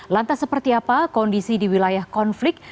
lantas seperti apa kondisi di wilayah konflik